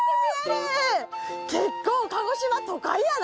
結構鹿児島都会やな。